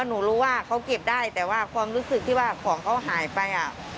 หนูรู้ว่าเขาเก็บได้แต่ว่าความรู้สึกที่ว่าของเขาหายไป